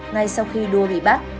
ngay sau khi đua bị bắt